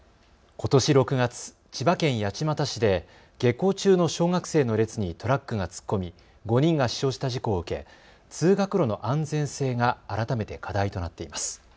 ことし６月、千葉県八街市で下校中の小学生の列にトラックが突っ込み５人が死傷した事故を受け通学路の安全性が改めて課題となっています。